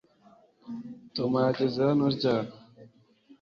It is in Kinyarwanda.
tom yageze hano ryari